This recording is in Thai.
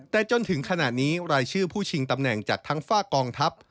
แต่จนถึงขณะนี้รายชื่อผู้ชิงตำแหน่งจากทั้งฝากกองทัพ